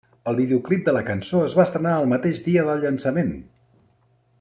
El videoclip de la cançó es va estrenar el mateix dia del llançament.